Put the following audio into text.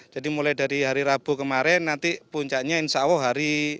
jadi mulai dari hari rabu kemarin nanti puncaknya insya allah hari